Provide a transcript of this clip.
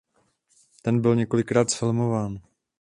Ten byl několikrát zfilmován.